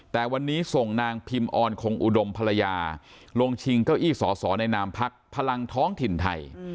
แต่วันนี้ส่งนางพิมออนคงอุดมภรรยาลงชิงเก้าอี้สอสอในนามพักพลังท้องถิ่นไทย